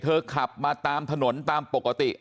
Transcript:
ขับมาตามถนนตามปกติ